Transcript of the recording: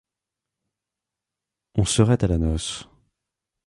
On serait à la noce.